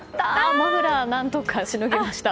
マフラーで何とかしのぎました。